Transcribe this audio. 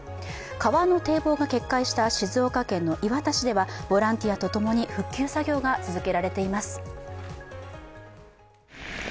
川の堤防が決壊した静岡県磐田市ではボランティアと共に復旧作業が続けられています。